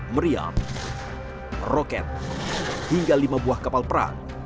meriam roket hingga lima buah kapal perang